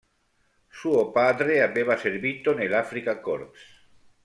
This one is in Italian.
Suo padre aveva servito nell'Afrikakorps.